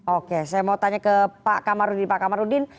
oke saya mau tanya ke pak kamarudi pak ketua